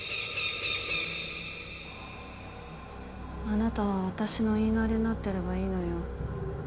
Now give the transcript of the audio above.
あなたは私の言いなりになっていればいいのよ。